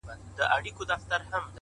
o زړه مي د اشنا په لاس کي وليدی،